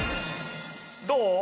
どう？